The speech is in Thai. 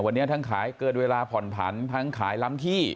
วันนี้ทั้งขายเกินเวลาผ่อนผันทั้งขายล้ำที่